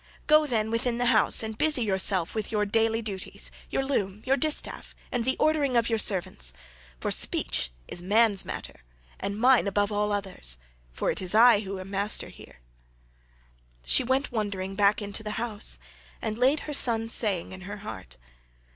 Go, then, within the house and busy yourself with your daily duties, your loom, your distaff, and the ordering of your servants; for speech is man's matter, and mine above all others 10—for it is I who am master here." She went wondering back into the house, and laid her son's saying in her heart.